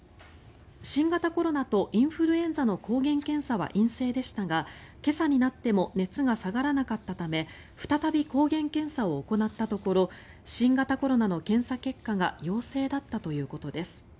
新型コロナとインフルエンザの抗原検査は陰性でしたが今朝になっても熱が下がらなかったため再び抗原検査を行ったところ新型コロナの検査結果が陽性だったということです。